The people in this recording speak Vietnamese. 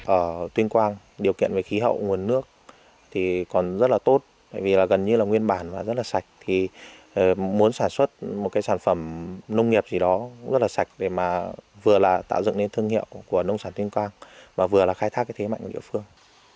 ở tuyên quang điều kiện về khí hậu nguồn nước thì còn rất là tốt bởi vì là gần như là nguyên bản và rất là sạch thì muốn sản xuất một cái sản phẩm nông nghiệp gì đó rất là sạch để mà vừa là tạo dựng nên thương hiệu của nông sản tuyên quang và vừa là khai thác cái thế mạnh của địa phương